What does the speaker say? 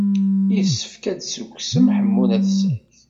Yessefk ad d-tessukksem Ḥemmu n At Sɛid.